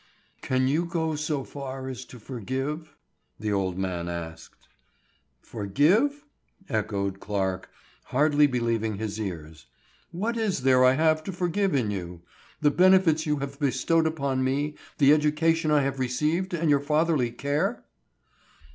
"Can you go so far as to forgive?" the old man asked. "Forgive?" echoed Clarke, hardly believing his ears. "What is there I have to forgive in you? The benefits you have bestowed upon me, the education I have received and your fatherly care?"